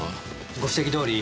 ご指摘どおり